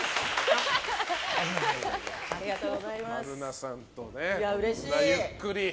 春菜さんと今日はゆっくり。